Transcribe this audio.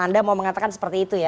anda mau mengatakan seperti itu ya